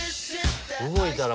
動いたら